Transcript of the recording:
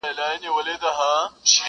• او پوښتني نه ختمېږي هېڅکله..